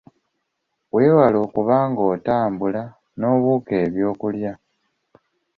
Weewale okuba nga otambula n’obuuka ebyokulya.